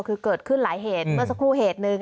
คือเกิดขึ้นหลายเหตุเมื่อสักครู่เหตุหนึ่ง